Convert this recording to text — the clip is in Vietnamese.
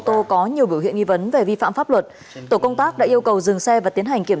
tô có nhiều biểu hiện nghi vấn về vi phạm pháp luật tổ công tác đã yêu cầu dừng xe và tiến hành kiểm